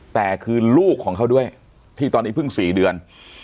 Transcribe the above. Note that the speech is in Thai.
แต่คือลูกของเขาด้วยที่ตอนนี้เพิ่ง๔เดือน